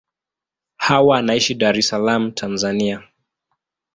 Hawa anaishi Dar es Salaam, Tanzania.